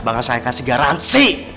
banget saya kasih garansi